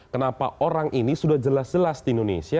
kenapa orang ini sudah jelas jelas di indonesia